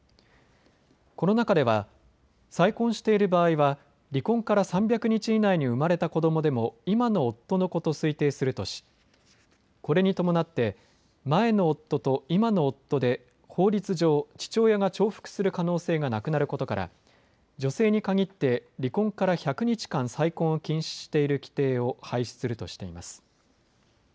この中では再婚している場合は離婚から３００日以内に生まれた子どもでも今の夫の子と推定するとしこれに伴って前の夫と今の夫で法律上、父親が重複する可能性がなくなることから女性に限って離婚から１００日間、再婚を禁止している規定を廃止するとしています。